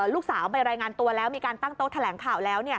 ลูกสาวไปรายงานตัวแล้วมีการตั้งโต๊ะแถลงข่าวแล้ว